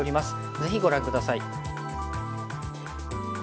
ぜひご覧下さい。